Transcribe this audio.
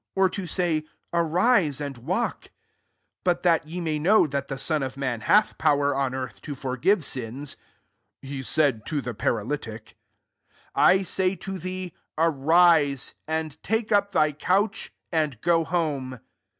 or to say, ^Ariae and walk ?' S4 But that ye may know that the Son of man hi^ power on earth to forgive sins, (he said to the paralytic,}* I say to thee, Arise, and take up thy couch, and go home.'